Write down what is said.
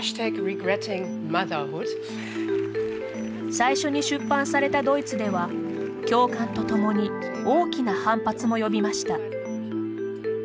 最初に出版されたドイツでは共感とともに大きな反発も呼びました。